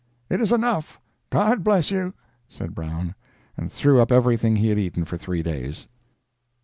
"It is enough. God bless you!" said Brown, and threw up everything he had eaten for three days.